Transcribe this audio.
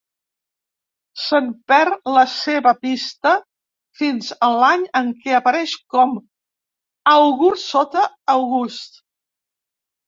Se'n perd la seva pista fins a l'any en què apareix com àugur sota August.